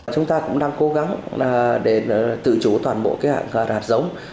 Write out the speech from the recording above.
chúng ta cũng đang cố gắng để tự chủ toàn bộ cái hạt giống